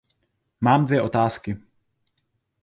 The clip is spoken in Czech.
Mám dvě otázky.